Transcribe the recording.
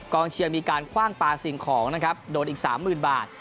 กองเชียงมีการคว่างปลาสิ่งของนะครับโดดอีกสามหมื่นบาท